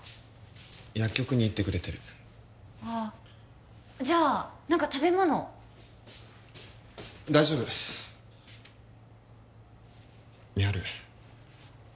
薬局に行ってくれてるああじゃあ何か食べ物大丈夫美晴